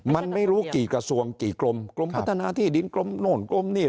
มันไม่รู้กี่กระทรวงกี่กรมกรมพัฒนาที่ดินกรมโน่นกรมนี่